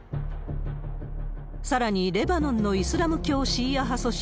さらにレバノンのイスラム教シーア派組織